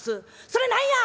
『それ何や！？』。